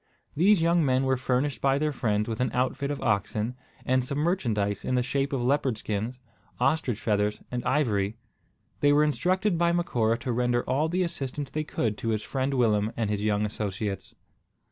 These young men were furnished by their friends with an outfit of oxen, and some merchandise in the shape of leopard skins, ostrich feathers, and ivory. They were instructed by Macora to render all the assistance they could to his friend Willem and his young associates.